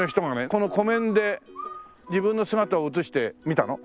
この湖面で自分の姿を映して見たの。